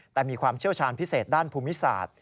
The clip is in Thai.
แต่มีความเชี่ยวชาญพิเศษด้านภูมิศาสตร์